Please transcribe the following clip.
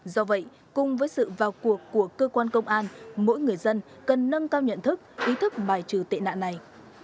do vậy cùng với sự vào cuộc của cơ quan công an mỗi người dân cần nâng cao nhận thức ý thức bài trừ tệ nạn này